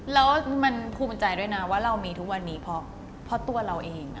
แล้วมันภูมิใจด้วยนะว่าเรามีทุกวันนี้เพราะตัวเราเอง